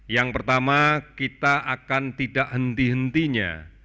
yang pertama kita akan tidak henti hentinya